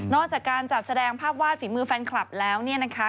จากการจัดแสดงภาพวาดฝีมือแฟนคลับแล้วเนี่ยนะคะ